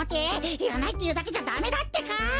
いらないっていうだけじゃダメだってか！